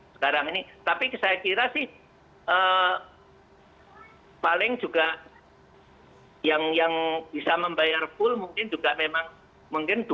sekarang ini tapi saya kira sih paling juga yang yang bisa membayar full mungkin juga memang mungkin